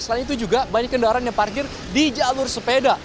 selain itu juga banyak kendaraan yang parkir di jalur sepeda